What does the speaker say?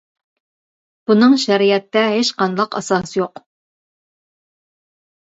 بۇنىڭ شەرىئەتتە ھېچ قانداق ئاساسى يوق.